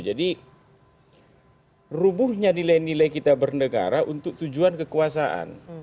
jadi rubuhnya nilai nilai kita bernegara untuk tujuan kekuasaan